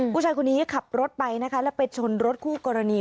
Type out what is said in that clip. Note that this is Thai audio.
ผู้ชายคนนี้ขับรถไปนะคะแล้วไปชนรถคู่กรณี